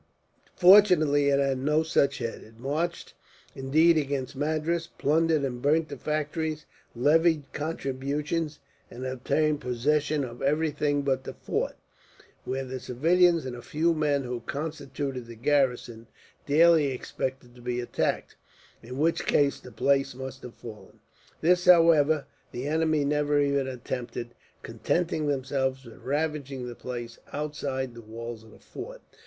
Fortunately, it had no such head. It marched indeed against Madras, plundered and burnt the factories, levied contributions, and obtained possession of everything but the fort; where the civilians, and the few men who constituted the garrison, daily expected to be attacked, in which case the place must have fallen. This, however, the enemy never even attempted, contenting themselves with ravaging the place outside the walls of the fort.